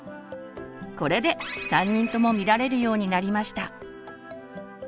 これで３人とも見られるようになりました。